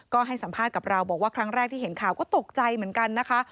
ก็ให้สัมภาษณ์กับเราบอกว่าครั้งแรกที่เห็นข่าวก็ตกใจเหมือนกันนะคะ